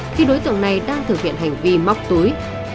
khi đối tượng này đang thực hiện hành vi móc túi